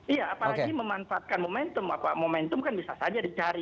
iya apalagi memanfaatkan momentum apa momentum kan bisa saja dicari